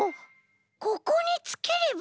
ここにつければ。